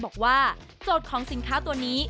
บอกว่าโจทย์ของสินค้าตัวนี้